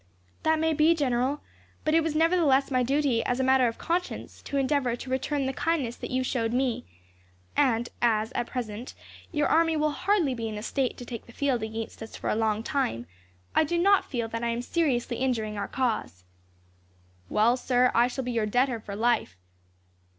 "That may be, General, but it was nevertheless my duty, as a matter of conscience, to endeavour to return the kindness that you showed me; and as, at present, your army will hardly be in a state to take the field against us for a long time, I do not feel that I am seriously injuring our cause." "Well, sir, I shall be your debtor for life.